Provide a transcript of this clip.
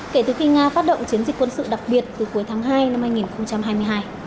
kể từ khi nga phát động chiến dịch quân sự đặc biệt từ cuối tháng hai năm hai nghìn hai mươi hai